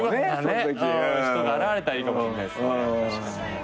ピュアな人が現れたらいいかもしんないっすね。